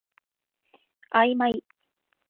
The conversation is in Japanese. あいまい